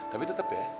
tapi tetep ya